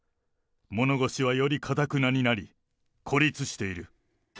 物腰はよりかたくなになり、孤立している。